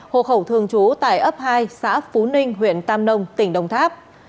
hộ khẩu thường trú tại ấp hai xã phú ninh huyện tam nông tỉnh đồng tháp